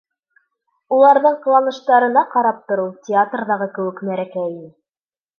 Уларҙың ҡыланыштарына ҡарап тороу театрҙағы кеүек мәрәкә ине.